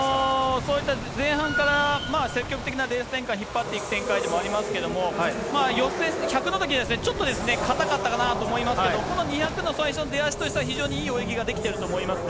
そういった前半から、積極的なレース展開、引っ張っていく展開ではありますけども、予選、１００のときですかね、ちょっと堅かったかなと思いますけれども、この２００の最初の出足としては非常にいい泳ぎができてると思いますね。